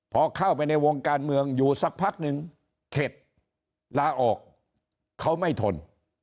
พอเข้าไปในวงการเมืองอยู่สักพักหนึ่งเข็ดลาออกเขาไม่ทน